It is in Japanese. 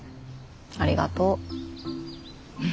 ありがとう。